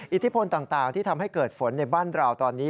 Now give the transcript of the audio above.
อิทธิพลต่างที่ทำให้เกิดฝนในบ้านเราตอนนี้